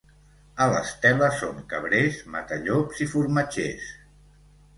A l'Estela són cabrers, matallops i formatgers.